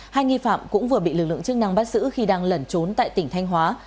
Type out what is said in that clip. hai nghi phạm cũng vừa bị lực lượng chức năng bắt giữ khi đang lẩn trốn tại tỉnh thanh hóa